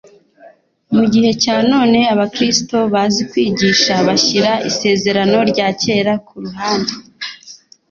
Mu gihe cya none, abakristo bazi kwigisha bashyira Isezerano rya kera ku ruhande